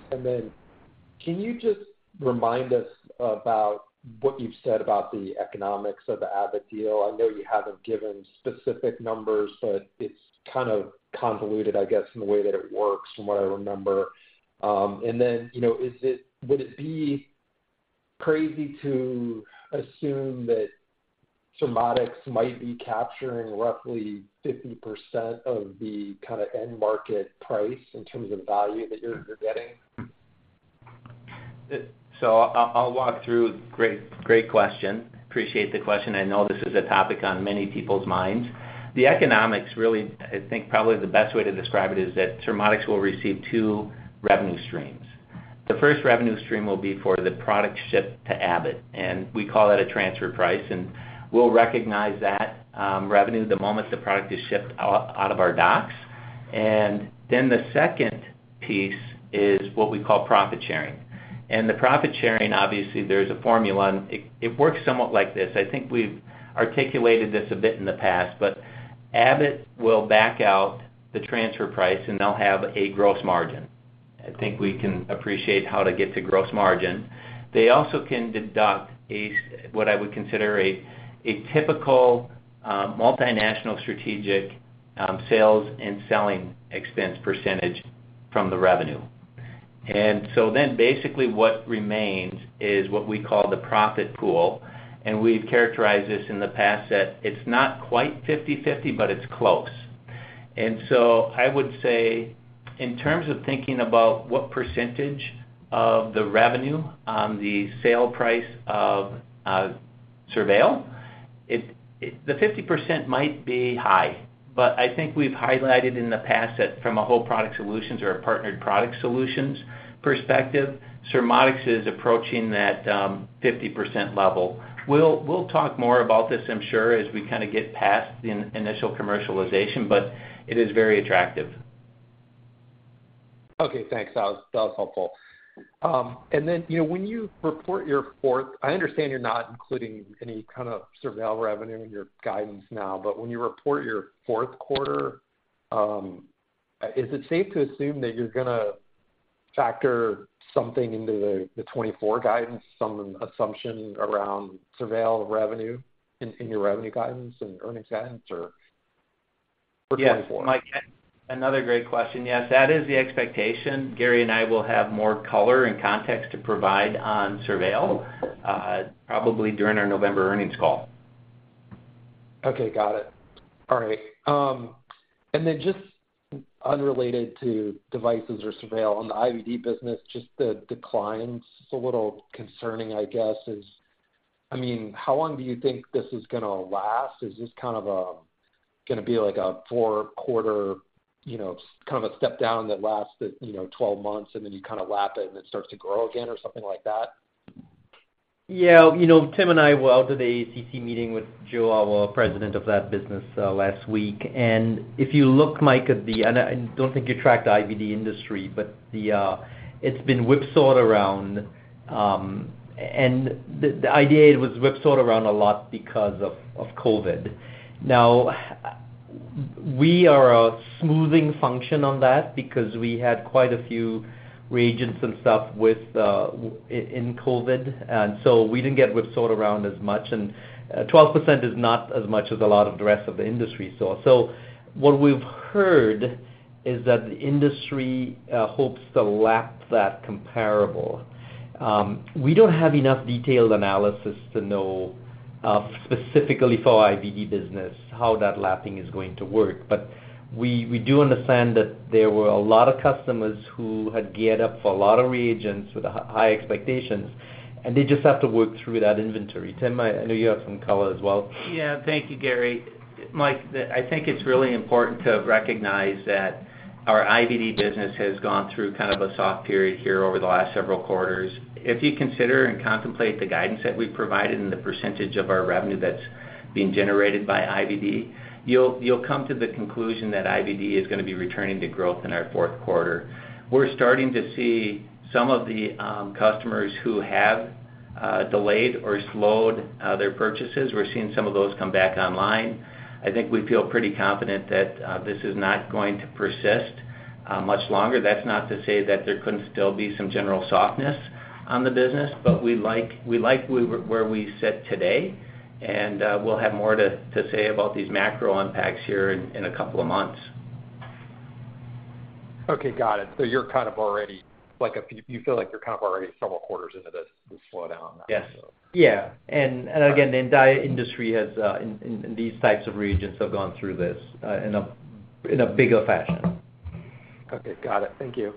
Can you just remind us about what you've said about the economics of the Abbott deal? I know you haven't given specific numbers, but it's kind of convoluted, I guess, in the way that it works from what I remember. You know, would it be crazy to assume that Surmodics might be capturing roughly 50% of the kind of end market price in terms of value that you're, you're getting? I'll, I'll walk through. Great, great question. Appreciate the question. I know this is a topic on many people's minds. The economics, really, I think probably the best way to describe it is that Surmodics will receive two revenue streams. The first revenue stream will be for the product shipped to Abbott, and we call that a transfer price, and we'll recognize that revenue the moment the product is shipped out, out of our docks. Then the second piece is what we call profit sharing. The profit sharing, obviously, there's a formula, and it, it works somewhat like this. I think we've articulated this a bit in the past, but Abbott will back out the transfer price, and they'll have a gross margin. I think we can appreciate how to get to gross margin. They also can deduct a, what I would consider a typical, multinational strategic, sales and selling expense percentage from the revenue. Basically what remains is what we call the profit pool, and we've characterized this in the past that it's not quite 50/50, but it's close. I would say, in terms of thinking about what percentage of the revenue on the sale price of SurVeil, it the 50% might be high, but I think we've highlighted in the past that from a whole product solutions or a partnered product solutions perspective, Surmodics is approaching that 50% level. We'll, we'll talk more about this, I'm sure, as we kinda get past the initial commercialization, but it is very attractive. Okay, thanks. That was, that was helpful. Then, you know, I understand you're not including any kind of SurVeil revenue in your guidance now, but when you report your fourth quarter, is it safe to assume that you're gonna factor something into the, the 2024 guidance, some assumption around SurVeil revenue in, in your revenue guidance and earnings guidance, or for 2024? Yes, Mike, another great question. Yes, that is the expectation. Gary and I will have more color and context to provide on SurVeil, probably during our November earnings call. Okay, got it. All right. Then just unrelated to devices or SurVeil, on the IVD business, just the declines, a little concerning, I guess, is. I mean, how long do you think this is gonna last? Is this kind of a, gonna be like a four-quarter, you know, kind of a step down that lasts, you know, 12 months, and then you kinda lap it, and it starts to grow again or something like that? Yeah, you know, Tim and I were out at the ACC meeting with Joe, our president of that business, last week. If you look, Mike, at the, and I, I don't think you track the IVD industry, but the, it's been whipsawed around, and the, the idea was whipsawed around a lot because of, of COVID. Now, we are a smoothing function on that because we had quite a few reagents and stuff with, in, in COVID, and so we didn't get whipsawed around as much. 12% is not as much as a lot of the rest of the industry saw. What we've heard is that the industry hopes to lap that comparable. We don't have enough detailed analysis to know, specifically for our IVD business, how that lapping is going to work. We, we do understand that there were a lot of customers who had geared up for a lot of reagents with high expectations, and they just have to work through that inventory. Tim, I, I know you have some color as well. Yeah. Thank you, Gary. Mike, I think it's really important to recognize that our IVD business has gone through kind of a soft period here over the last several quarters. If you consider and contemplate the guidance that we've provided and the percentage of our revenue that's being generated by IVD, you'll, you'll come to the conclusion that IVD is gonna be returning to growth in our fourth quarter. We're starting to see some of the customers who have delayed or slowed their purchases. We're seeing some of those come back online. I think we feel pretty confident that this is not going to persist much longer. That's not to say that there couldn't still be some general softness on the business, but we like, we like where we sit today, and, we'll have more to, to say about these macro impacts here in, in a couple of months. Okay, got it. like, if you feel like you're kind of already several quarters into this slowdown? Yes. Yeah, again, the entire industry has, and these types of regions have gone through this, in a bigger fashion. Okay, got it. Thank you.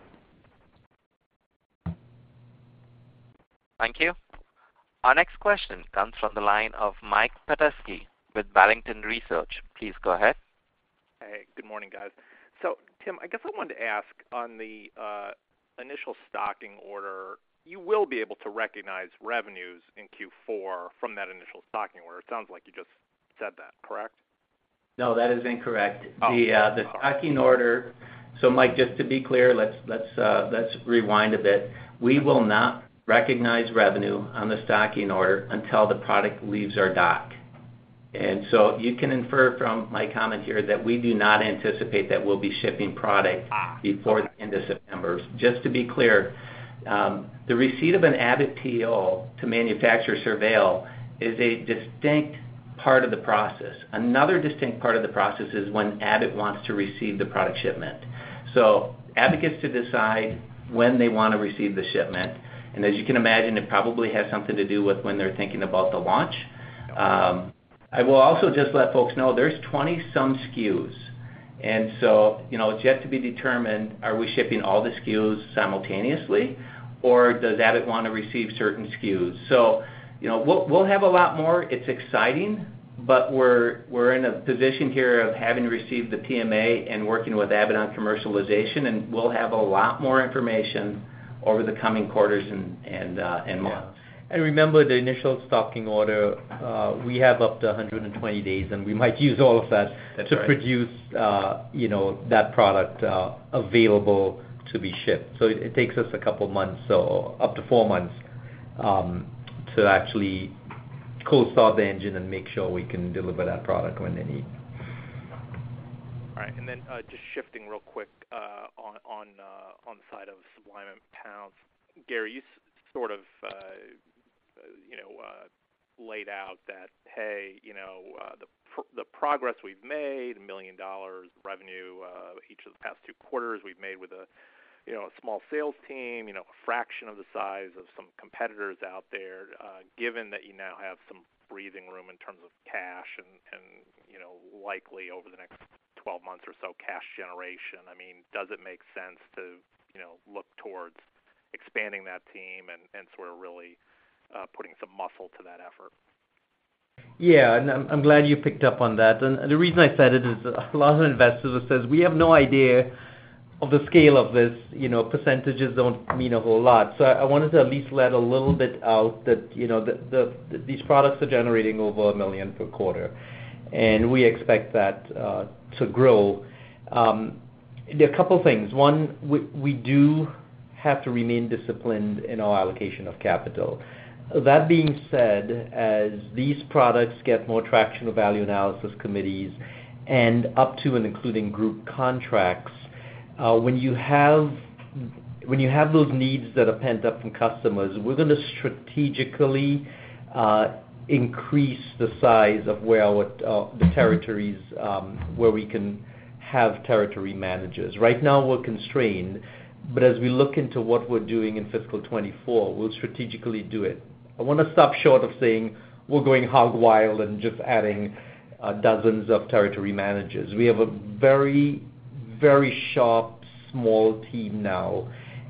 Thank you. Our next question comes from the line of Michael Petusky with Barrington Research. Please go ahead. Hey, good morning, guys. Tim, I guess I wanted to ask on the initial stocking order, you will be able to recognize revenues in Q4 from that initial stocking order. It sounds like you just said that, correct? No, that is incorrect. Oh. The stocking order-- Mike, just to be clear, let's, let's, let's rewind a bit. We will not recognize revenue on the stocking order until the product leaves our dock. You can infer from my comment here that we do not anticipate that we'll be shipping product before the end of September. Just to be clear, the receipt of an Abbott PO to manufacture SurVeil is a distinct part of the process. Another distinct part of the process is when Abbott wants to receive the product shipment. Abbott gets to decide when they wanna receive the shipment, and as you can imagine, it probably has something to do with when they're thinking about the launch. I will also just let folks know there's 20-some SKUs. You know, it's yet to be determined, are we shipping all the SKUs simultaneously, or does Abbott wanna receive certain SKUs? You know, we'll, we'll have a lot more. It's exciting, but we're, we're in a position here of having received the PMA and working with Abbott on commercialization. We'll have a lot more information over the coming quarters and, and months. Remember, the initial stocking order, we have up to 120 days, and we might use all of that- That's right.... to produce, you know, that product, available to be shipped. It, it takes us a couple of months, so up to four months, to actually cold start the engine and make sure we can deliver that product when they need. All right. Then, just shifting real quick, on, on, on the side of Sublime and Pounce. Gary, you sort of, you know, laid out that, hey, you know, the progress we've made, $1 million revenue, each of the past two quarters we've made with a, you know, a small sales team, you know, a fraction of the size of some competitors out there. Given that you now have some breathing room in terms of cash and, and, you know, likely over the next 12 months or so, cash generation, I mean, does it make sense to, you know, look towards expanding that team and, and sort of really, putting some muscle to that effort? Yeah, and I'm, I'm glad you picked up on that. The reason I said it is a lot of investors have said, We have no idea of the scale of this. You know, percentages don't mean a whole lot. So I wanted to at least let a little bit out that, you know, the, the, these products are generating over $1 million per quarter, and we expect that to grow. There are a couple things. One, we, we do have to remain disciplined in our allocation of capital. That being said, as these products get more traction with value analysis committees and up to and including group contracts, when you have, when you have those needs that are pent up from customers, we're gonna strategically increase the size of where our the territories, where we can have territory managers. Right now, we're constrained, but as we look into what we're doing in fiscal 2024, we'll strategically do it. I wanna stop short of saying we're going hog wild and just adding, dozens of territory managers. We have a very, very sharp, small team now,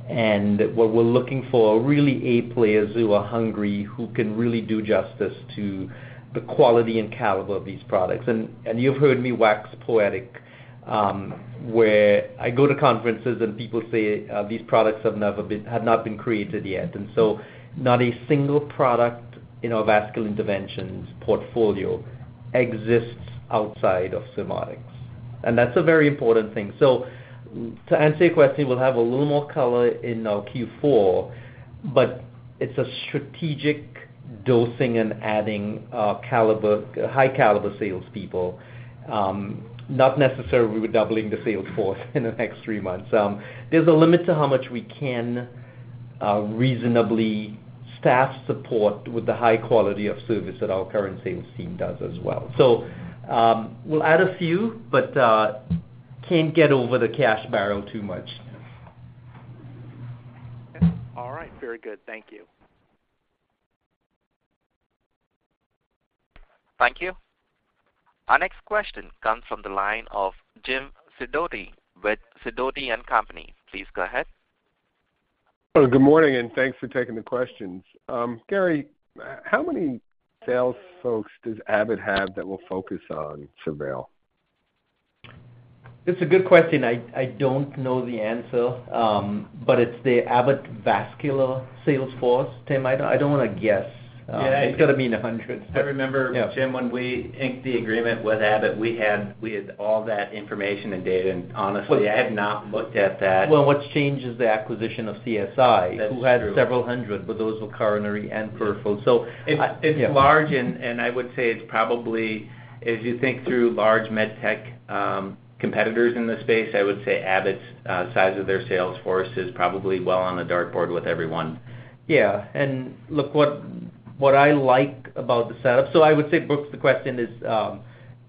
and what we're looking for are really A players who are hungry, who can really do justice to the quality and caliber of these products. You've heard me wax poetic, where I go to conferences and people say, these products have never been, have not been created yet. Not a single product in our vascular interventions portfolio exists outside of Surmodics, and that's a very important thing. To answer your question, we'll have a little more color in our Q4, but it's a strategic dosing and adding, caliber, high caliber salespeople. Not necessarily we're doubling the sales force in the next three months. There's a limit to how much we can reasonably staff support with the high quality of service that our current sales team does as well. We'll add a few, but can't get over the cash barrel too much. All right. Very good. Thank you. Thank you. Our next question comes from the line of James Sidoti with Sidoti & Company. Please go ahead. Good morning. Thanks for taking the questions. Gary, how many sales folks does Abbott have that will focus on SurVeil? It's a good question. I, I don't know the answer, but it's the Abbott Vascular sales force. Tim, I don't, I don't wanna guess. Yeah. It's gonna be in the hundreds. I remember, Jim, when we inked the agreement with Abbott, we had all that information and data. Honestly, I have not looked at that. Well, what's changed is the acquisition of CSI. That's true.... who had several hundred, but those were coronary and peripheral. Yeah. It, it's large, and, and I would say it's probably, as you think through large med tech, competitors in this space, I would say Abbott's size of their sales force is probably well on the dartboard with everyone. Yeah, look, what, what I like about the setup. I would say, Brooke, the question is,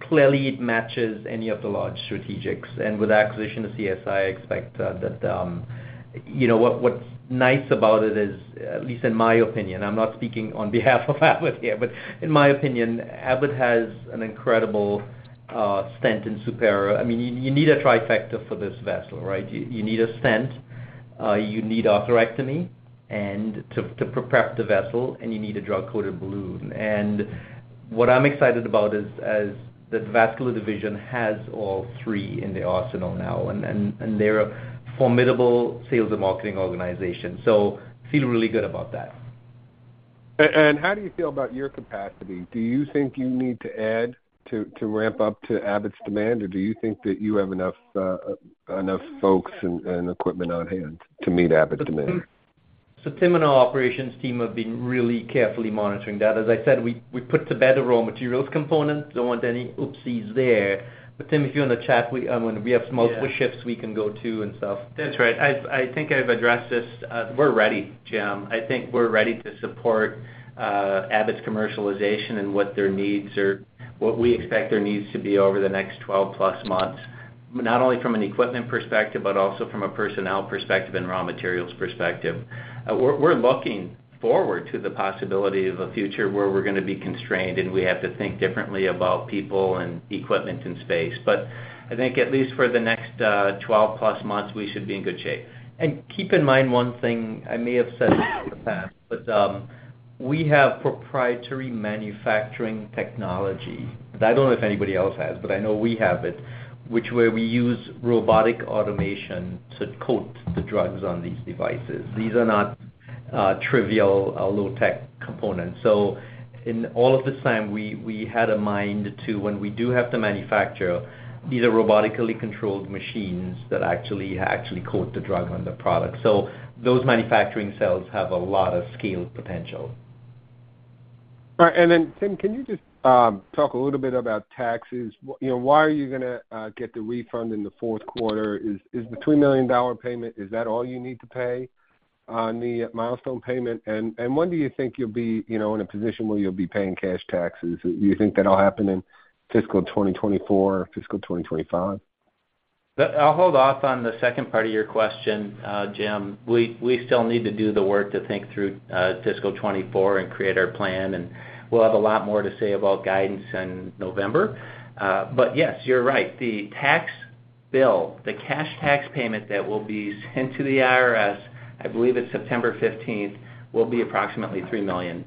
clearly it matches any of the large strategics. With the acquisition of CSI, I expect that, you know what, what's nice about it is, at least in my opinion, I'm not speaking on behalf of Abbott here, but in my opinion, Abbott has an incredible stent in Supera. I mean, you, you need a trifecta for this vessel, right? You, you need a stent, you need atherectomy, and to, to prep the vessel, and you need a drug-coated balloon. What I'm excited about is, as the vascular division has all three in the arsenal now, and, and, and they're a formidable sales and marketing organization. Feel really good about that. How do you feel about your capacity? Do you think you need to add to, to ramp up to Abbott's demand, or do you think that you have enough, enough folks and, and equipment on hand to meet Abbott's demand? Tim and our operations team have been really carefully monitoring that. As I said, we, we put to bed the raw materials component, don't want any oopsies there. Tim, if you want to chat, we, we have multiple shifts we can go to and stuff. That's right. I've I think I've addressed this. We're ready, Jim. I think we're ready to support Abbott's commercialization and what their needs are, what we expect their needs to be over the next 12 plus months, not only from an equipment perspective, but also from a personnel perspective and raw materials perspective. We're looking forward to the possibility of a future where we're gonna be constrained, and we have to think differently about people and equipment and space. I think at least for the next 12 plus months, we should be in good shape. Keep in mind, one thing I may have said in the past, but we have proprietary manufacturing technology. I don't know if anybody else has, but I know we have it, which where we use robotic automation to coat the drugs on these devices. These are not trivial or low tech components. In all of this time, we, we had in mind to when we do have to manufacture, these are robotically controlled machines that actually, actually coat the drug on the product. Those manufacturing cells have a lot of scale potential. All right, and then, Tim, can you just talk a little bit about taxes? You know, why are you gonna get the refund in the fourth quarter? Is the $3 million payment, is that all you need to pay on the milestone payment? When do you think you'll be, you know, in a position where you'll be paying cash taxes? Do you think that'll happen in fiscal 2024 or fiscal 2025? I'll hold off on the second part of your question, James Sidoti. We, we still need to do the work to think through fiscal 2024 and create our plan, we'll have a lot more to say about guidance in November. Yes, you're right. The tax bill, the cash tax payment that will be sent to the IRS, I believe it's September 15th, will be approximately $3 million.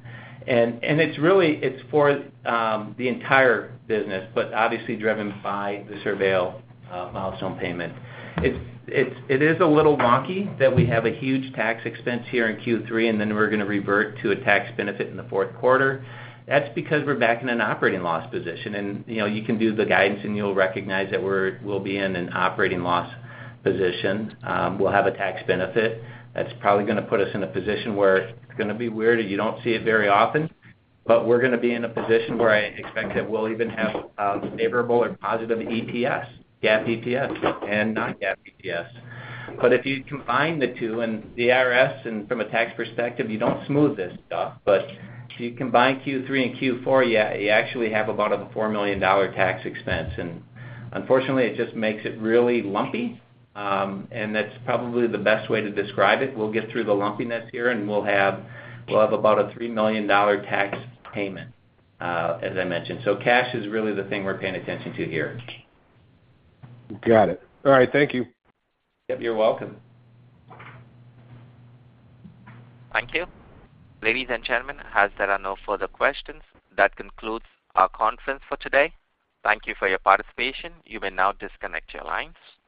It's really for the entire business, but obviously driven by the SurVeil milestone payment. It is a little wonky that we have a huge tax expense here in Q3, then we're gonna revert to a tax benefit in the fourth quarter. That's because we're back in an operating loss position. You know, you can do the guidance, and you'll recognize that we'll be in an operating loss position. We'll have a tax benefit. That's probably gonna put us in a position where it's gonna be weird, and you don't see it very often, but we're gonna be in a position where I expect that we'll even have favorable or positive EPS, GAAP EPS, and non-GAAP EPS. If you combine the two and the IRS, and from a tax perspective, you don't smooth this stuff, but if you combine Q3 and Q4, you actually have about a $4 million tax expense, and unfortunately, it just makes it really lumpy. That's probably the best way to describe it. We'll get through the lumpiness here, we'll have about a $3 million tax payment as I mentioned. Cash is really the thing we're paying attention to here. Got it. All right. Thank you. Yep, you're welcome. Thank you. Ladies and gentlemen, as there are no further questions, that concludes our conference for today. Thank you for your participation. You may now disconnect your lines.